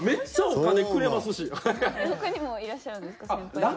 他にもいらっしゃるんですか？